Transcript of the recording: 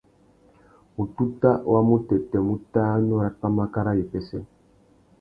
Wututa wa mutêtê mutānú râ pwámáká râ wipêssê.